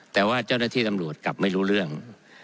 แต่ว่าเจ้าหน้าที่ตำรวจกลับไม่รู้เรื่อง